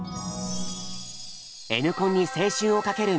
Ｎコンに青春をかけるみんなへ。